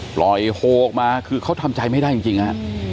ปล่อยโหลออกมาคือเขาทำใจไม่ได้จริงอ่ะ